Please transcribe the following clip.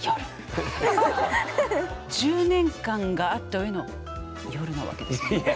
１０年間があったうえの夜なわけですよね。